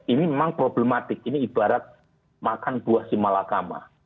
ini memang problematik ini ibarat makan buah si malakama